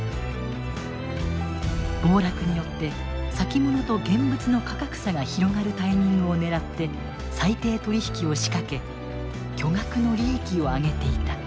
暴落によって先物と現物の価格差が広がるタイミングを狙って裁定取引を仕掛け巨額の利益を上げていた。